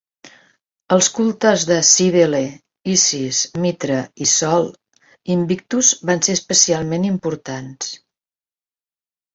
Els cultes de Cíbele, Isis, Mitra i Sol Invictus van ser especialment importants.